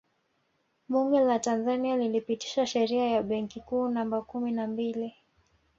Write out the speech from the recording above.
Bunge la Tanzania lilipitisha Sheria ya Benki Kuu Namba kumi na mbili